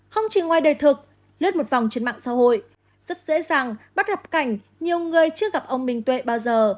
không chỉ ngoài đời thực lướt một vòng trên mạng xã hội rất dễ dàng bắt gặp cảnh nhiều người chưa gặp ông minh tuệ bao giờ